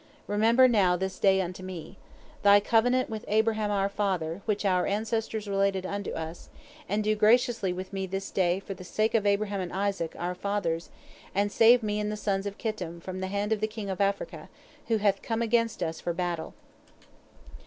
Remember now this day unto me Thy covenant with Abraham our father, which our ancestors related unto us, and do graciously with me this day for the sake of Abraham and Isaac, our fathers, and save me and the sons of Kittim from the hand of the king of Africa, who hath come against us for battle."